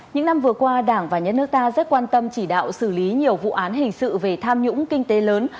những năm vừa qua đảng và nhân nước ta rất quan tâm chỉ đạo xử lý nhiều vụ án hình sự về tham nhũng kinh tế lớn